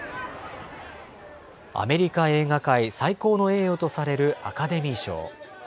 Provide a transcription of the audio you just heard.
アメリカ映画界最高の栄誉とされるアカデミー賞。